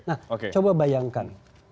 nah coba bayangkan